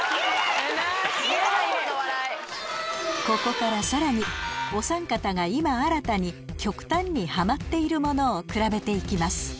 ここからさらにおさん方が今新たに極端にハマっているものをくらべて行きます